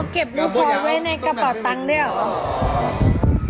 อ๋อเก็บรูปของไว้ในกระเป๋าตังค์ด้วย